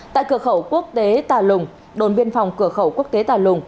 tại cửa khẩu quốc tế tà lùng đồn biên phòng cửa khẩu quốc tế tà lùng